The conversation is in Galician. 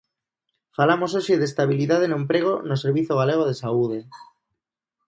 Falamos hoxe de estabilidade no emprego no Servizo Galego de Saúde.